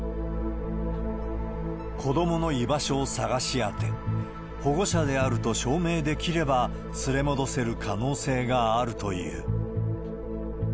子どもの居場所を捜し当て、保護者であると証明できれば、連れ戻せる可能性があるという。